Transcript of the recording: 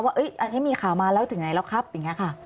ว่าอันนี้มีข่าวมาแล้วถึงไหนแล้วครับอย่างนี้ค่ะ